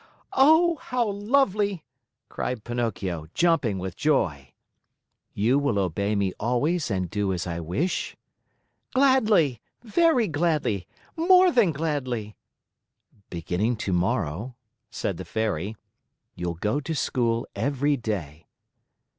"Oh! How lovely!" cried Pinocchio, jumping with joy. "You will obey me always and do as I wish?" "Gladly, very gladly, more than gladly!" "Beginning tomorrow," said the Fairy, "you'll go to school every day."